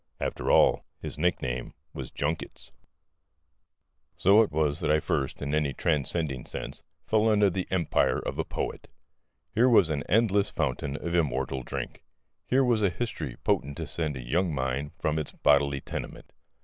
After all, his nickname was "Junkets." So it was that I first, in any transcending sense, fell under the empire of a poet. Here was an endless fountain of immortal drink: here was a history potent to send a young mind from its bodily tenement.